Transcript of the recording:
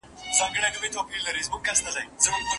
بریالي خلګ تل په خپل ژوند کي توازن مراعاتوي.